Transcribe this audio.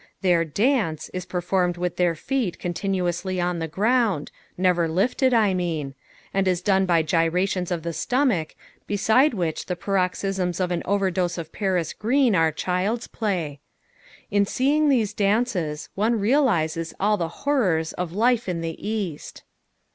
Their "dance" is performed with their feet continuously on the ground never lifted, I mean and is done by gyrations of the stomach, beside which the paroxysms of an overdose of Paris green are child's play. In seeing these dances one realizes all the horrors of life in the East.